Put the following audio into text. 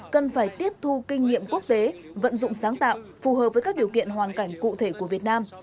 cần phải tiếp thu kinh nghiệm quốc tế vận dụng sáng tạo phù hợp với các điều kiện hoàn cảnh cụ thể của việt nam